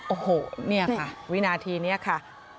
โอ้โหเนี่ยค่ะวินาทีนี้ค่ะ